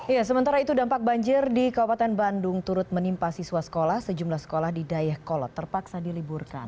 ya sementara itu dampak banjir di kabupaten bandung turut menimpa siswa sekolah sejumlah sekolah di dayakolot terpaksa diliburkan